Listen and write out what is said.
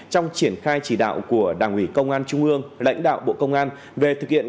trong triển khai chỉ đạo của đảng ủy công an trung ương lãnh đạo bộ công an về thực hiện